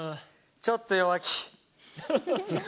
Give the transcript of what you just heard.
ちょっと弱気。